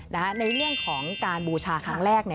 ในเรื่องของการบูชาครั้งแรกเนี่ย